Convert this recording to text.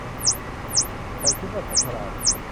ฉันคิดว่าฉันฉลาด